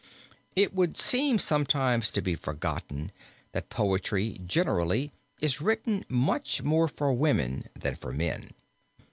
It would seem sometimes to be forgotten that poetry generally is written much more for women than for men.